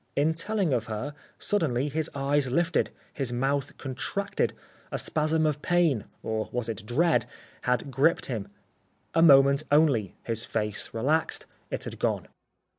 In telling of her, suddenly his eyes lifted, his mouth contracted, a spasm of pain or was it dread? had gripped him. A moment only. His face relaxed. It had gone.